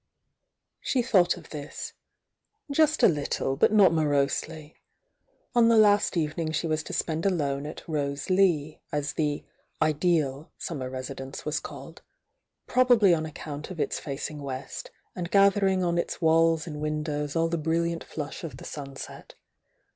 She thought of this, — just a little, but not mo rosely—on the last evening she was to spend alone at "Rose Lea" as the "ideal" summer residence was called,— probably on account of its facing west, and gathering on its walls and windows all the brilliant flush of the sunset.